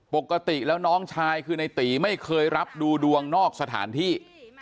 ปกติแล้วน้องชายคือในตีไม่เคยรับดูดวงนอกสถานที่